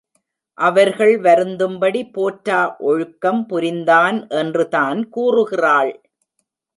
அவர்கள் வருந்தும்படி போற்றா ஒழுக்கம் புரிந்தான் என்றுதான் கூறுகிறாள்.